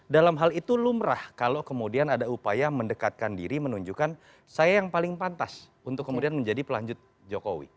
dalam hal itu lumrah kalau kemudian ada upaya mendekatkan diri menunjukkan saya yang paling pantas untuk kemudian menjadi pelanjut jokowi